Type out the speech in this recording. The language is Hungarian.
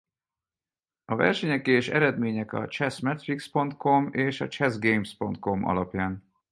A versenyek és eredmények a chessmetrics.com és a chessgames.com alapján.